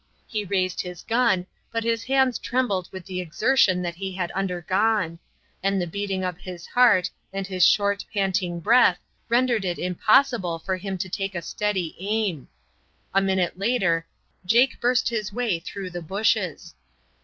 He raised his gun, but his hands trembled with the exertion that he had undergone, and the beating of his heart and his short, panting breath rendered it impossible for him to take a steady aim. A minute later Jake burst his way through the bushes.